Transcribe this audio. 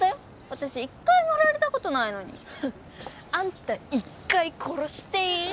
私一回もフラれたことないのにあんた一回殺していい？